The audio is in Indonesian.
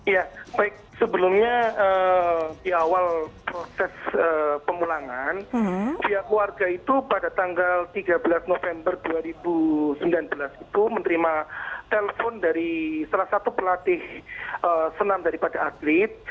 ya baik sebelumnya di awal proses pemulangan pihak keluarga itu pada tanggal tiga belas november dua ribu sembilan belas itu menerima telpon dari salah satu pelatih senam daripada atlet